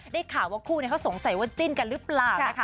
ได้ข่าวว่าคู่นี้เขาสงสัยว่าจิ้นกันหรือเปล่านะคะ